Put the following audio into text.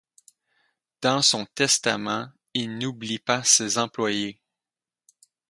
Dans son testament, il n'oublie pas ses employés.